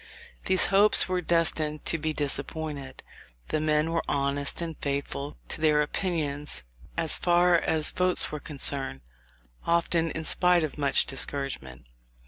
These hopes were destined to be disappointed. The men were honest, and faithful to their opinions, as far as votes were concerned; often in spite of much discouragement.